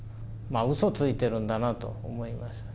うそついてるんだなと思いました。